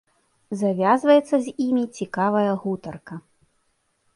Завязваецца з імі цікавая гутарка.